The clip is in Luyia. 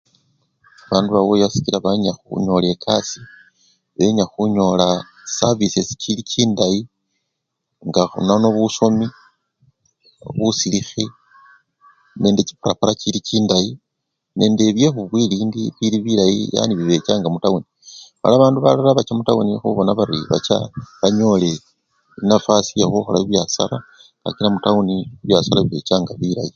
Bandu bawuya sikila balinende khunyola ekasii, benya khunyola services chiili chindayi nga nono busomi, busilikhi nende chiparapara chiili chindayi nende byebubwilindi bili bilayi yani bubechanga mutawuni, mala bandu balala bacha mutawuni khubona bari bacha banyole enyafwasi yee khuhola bibyasara kakila mutawuni bibyasara bibechanga bilayi